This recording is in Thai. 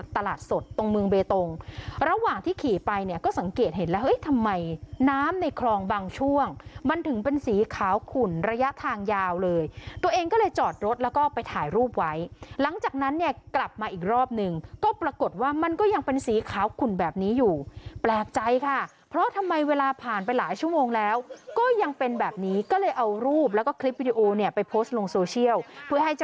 ตลาดสดตรงเมืองเบตงระหว่างที่ขี่ไปเนี่ยก็สังเกตเห็นแล้วเฮ้ยทำไมน้ำในคลองบางช่วงมันถึงเป็นสีขาวขุ่นระยะทางยาวเลยตัวเองก็เลยจอดรถแล้วก็ไปถ่ายรูปไว้หลังจากนั้นเนี่ยกลับมาอีกรอบหนึ่งก็ปรากฏว่ามันก็ยังเป็นสีขาวขุ่นแบบนี้อยู่แปลกใจค่ะเพราะทำไมเวลาผ่านไปหลายชั่วโมงแล้วก็ยังเป็นแบบนี้ก็เลยเอารูปแล้วก็คลิปวิดีโอเนี่ยไปโพสต์ลงโซเชียลเพื่อให้จะ